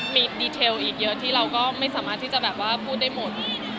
มีดีเทลอีกเยอะที่เราก็ไม่สามารถที่จะแบบว่าพูดได้หมด